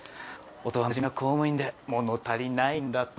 夫はまじめな公務員で物足りないんだと。